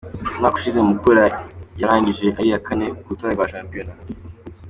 Umwaka ushize, Mukura yarangije ari iya kane ku rutonde rwa shampiyona.